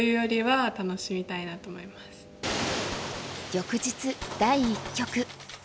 翌日第一局。